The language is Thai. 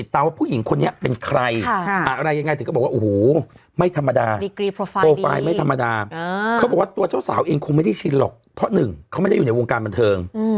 ตัวตัวสาวเองคงไม่ได้ชินหรอกเพราะ๑ไม่ได้อยู่ในวงการบันเทิง